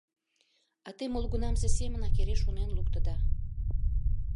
— А те молгунамсе семынак эре шонен луктыда.